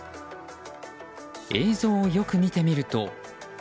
映像をよく見てみると。